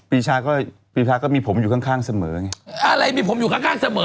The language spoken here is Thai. ปีชาก็ปีชาก็มีผมอยู่ข้างข้างเสมอไงอะไรมีผมอยู่ข้างข้างเสมอ